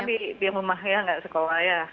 apalagi kan anak anak di rumah ya nggak sekolah ya